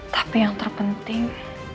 tapi yang terpenting